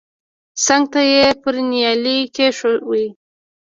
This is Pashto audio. څنگ ته يې پر نيالۍ کښېښوه.